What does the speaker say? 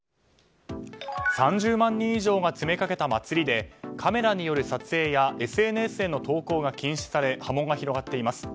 ３０万人以上が詰めかけた祭りでカメラによる撮影やＳＮＳへの投稿が禁止され波紋が広がっています。